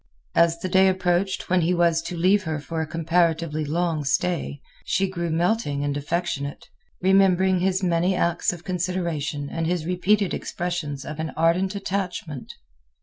As the day approached when he was to leave her for a comparatively long stay, she grew melting and affectionate, remembering his many acts of consideration and his repeated expressions of an ardent attachment.